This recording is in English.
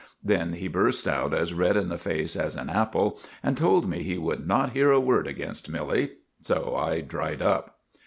Then he burst out as red in the face as an apple, and told me he would not hear a word against Milly, so I dried up.